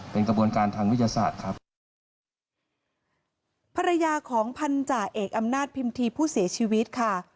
ภัรยาของพรรจาเอกอำนาจพิมธีผู้เสียชีวิตค่ะ